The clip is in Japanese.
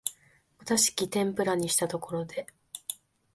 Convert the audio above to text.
お座敷天婦羅にしたところで、